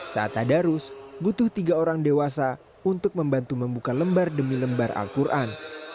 saat tadarus butuh tiga orang dewasa untuk membantu membuka lembar demi lembar al quran